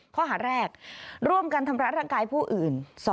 ข้อหาแรกร่วมกันทำร้ายร่างกายผู้อื่น